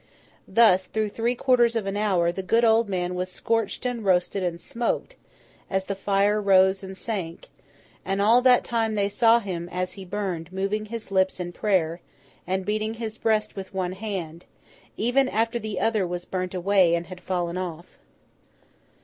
Thus, through three quarters of an hour, the good old man was scorched and roasted and smoked, as the fire rose and sank; and all that time they saw him, as he burned, moving his lips in prayer, and beating his breast with one hand, even after the other was burnt away and had fallen off.